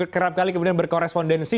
kerap kali kemudian berkorespondensi